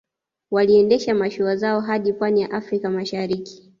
Waliendesha mashua zao hadi Pwani ya Afrika Mashariki